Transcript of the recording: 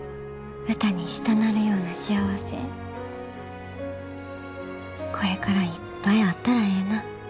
歌にしたなるような幸せこれからいっぱいあったらええな。